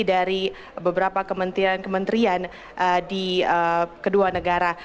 dari beberapa kementerian kementerian di kedua negara